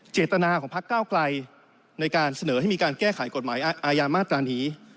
เจตนาของพักเก้าไกลในการเสนอให้มีการแก้ไขกฎหมายอาญามาตรานี้